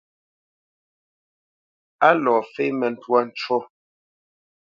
A lɔ fémə ntwá ncú.